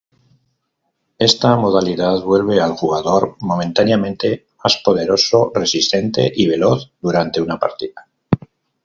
Esta modalidad vuelve al Jugador Momentáneamente Mas Poderoso, resistente y Veloz durante una Partida.